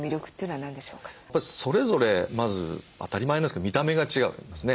それぞれまず当たり前ですけど見た目が違うんですね。